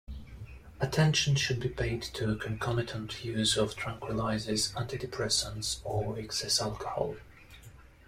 Attention should be paid to concomitant use with tranquillizers, antidepressants or excess alcohol.